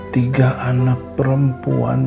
tiga anak perempuan